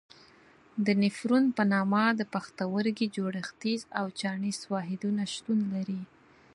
د نفرون په نامه د پښتورګي جوړښتیز او چاڼیز واحدونه شتون لري.